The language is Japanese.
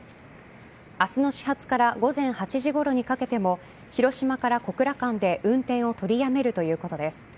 明日の始発から午前８時ごろにかけても広島から小倉間で運転を取りやめるということです。